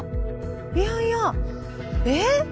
いやいや。えっ？